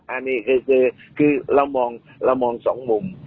อันนี้คือคือเรามองเรามองสองมุม